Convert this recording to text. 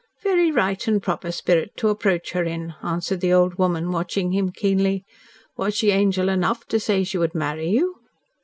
"Very right and proper spirit to approach her in," answered the old woman, watching him keenly. "Was she angel enough to say she would marry you?"